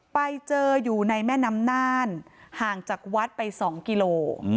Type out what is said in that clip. ไปเจออยู่ในแม่น้ำน่านห่างจากวัดไป๒กิโล